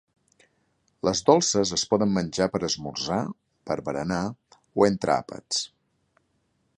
Les dolces es poden menjar per esmorzar, per berenar o entre àpats.